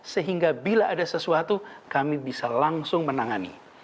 sehingga bila ada sesuatu kami bisa langsung menangani